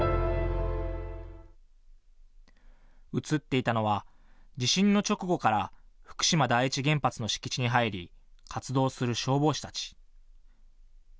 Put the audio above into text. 映っていたのは、地震の直後から福島第一原発の敷地に入り活動する消防士たち。